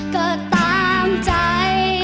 ก็ตามใจ